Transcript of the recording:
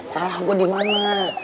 salah gue di mana